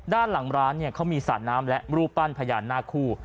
ด้านหลังร้านเนี่ยเขามีสระน้ำและรูปปั้นพญานาคู่